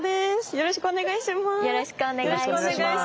よろしくお願いします。